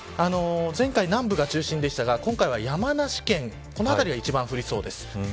前回、南部が中心でしたが今回は山梨県この辺りが一番降りそうです。